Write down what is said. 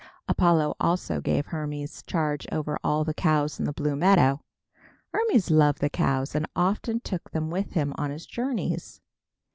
Apollo also gave Hermes charge over all the cows in the blue meadow. Hermes loved the cows and often took them with him on his journeys.